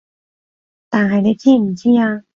但係你知唔知啊